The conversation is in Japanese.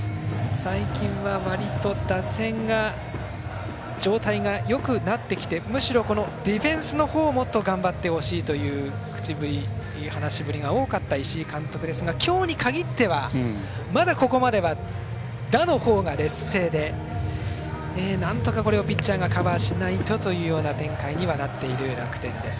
最近は、割と打線が状態がよくなってきてむしろディフェンスの方をもっと頑張ってほしいという口ぶり、話し振りが多かった石井監督ですが今日に限ってはまだ、ここまでは打の方が劣勢でなんとか、これをピッチャーがカバーしないとというような展開にはなっている楽天です。